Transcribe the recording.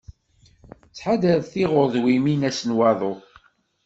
Ttḥadaret tiɣurdmiwin ass n waḍu.